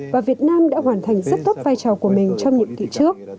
và việt nam đã hoàn thành rất tốt vai trò của mình trong nhiệm kỳ trước